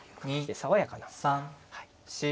で爽やかな。